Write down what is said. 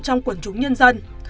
trong quần chúng nhân dân